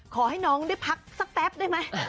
ขอให้น้องได้พักสักแป๊บได้ไหม